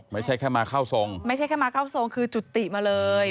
ไม่ใช่แค่มาเข้าทรงไม่ใช่แค่มาเข้าทรงคือจุติมาเลย